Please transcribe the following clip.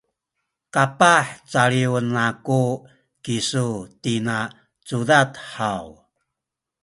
kapah caliwen aku kisu tina cudad haw?